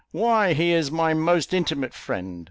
why he is my most intimate friend.